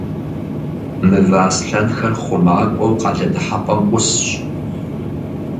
Мывэ аслъэнхэр хъумакӏуэу къалэ дыхьэпӏэм ӏусщ.